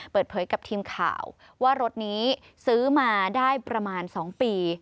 เปิดเผยกับทีมข่าวว่ารถนี้ซื้อมาได้ประมาณ๒ปี